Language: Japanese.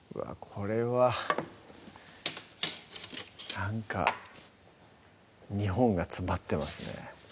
これはなんか日本が詰まってますね